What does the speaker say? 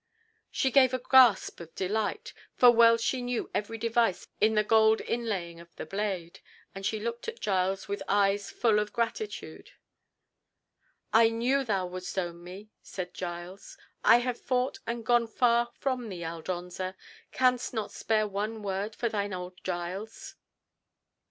She gave a gasp of delight, for well she knew every device in the gold inlaying of the blade, and she looked at Giles with eyes fall of gratitude. "I knew thou wouldst own me," said Giles. "I have fought and gone far from thee, Aldonza. Canst not spare one word for thine old Giles?"